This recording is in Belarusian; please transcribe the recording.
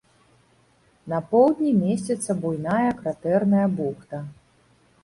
На поўдні месціцца буйная кратэрная бухта.